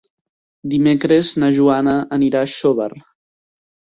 Dimecres na Joana anirà a Xóvar.